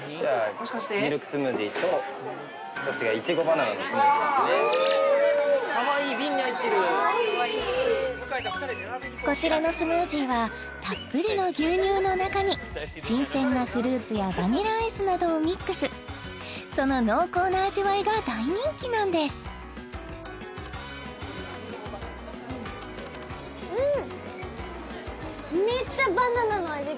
もしかしてこっちはミルクスムージーとこっちがイチゴバナナのスムージーですねかわいい瓶に入ってるかわいいこちらのスムージーはたっぷりの牛乳の中に新鮮なフルーツやバニラアイスなどをミックスその濃厚な味わいが大人気なんですうん！